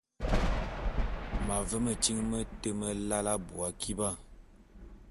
M’ave metyiŋ mete meláe abui akiba.